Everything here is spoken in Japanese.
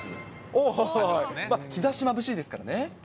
日ざし、まぶしいですからね。